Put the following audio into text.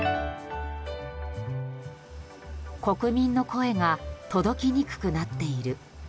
国民の声が届きにくくなっている。